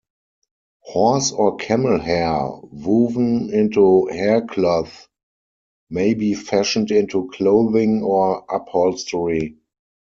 Horse or camel hair woven into haircloth may be fashioned into clothing or upholstery.